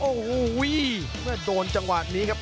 โอ้โหเมื่อโดนจังหวะนี้ครับ